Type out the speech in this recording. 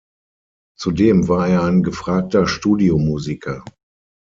Zudem war er ein gefragter Studiomusiker.